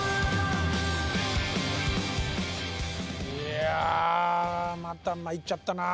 いやまた参っちゃったな。